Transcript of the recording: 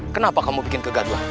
kenapa kamu bikin kegaglah